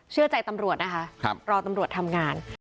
เชื่อใจตำรวจนะคะรอตำรวจทำงาน